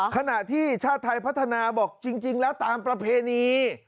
ขณะที่ชาติไทยพัฒนาบอกจริงแล้วตามประเพณี